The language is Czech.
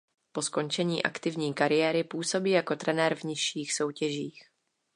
Po skončení aktivní kariéry působí jako trenér v nižších soutěžích.